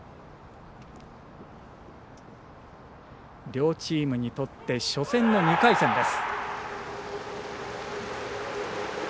両チームにとって初戦の２回戦です。